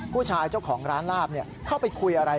เจ้าของร้านลาบเข้าไปคุยอะไร